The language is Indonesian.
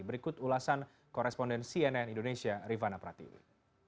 berikut ulasan koresponden cnn indonesia rivana pratili